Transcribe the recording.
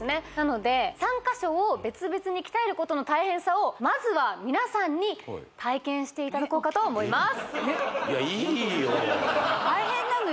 なので３か所を別々に鍛えることの大変さをまずは皆さんに体験していただこうかと思います